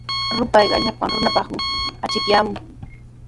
Rupayqa llapan runapaqmi achikyaamun.